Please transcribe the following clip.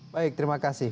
baik terima kasih